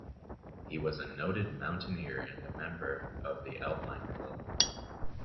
He was a noted mountaineer and a member of the Alpine Club.